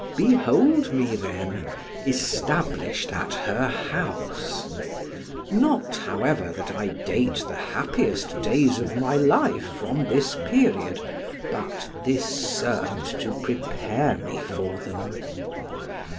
Behold me, then, established at her house; not, however, that I date the happiest days of my life from this period, but this served to prepare me for them.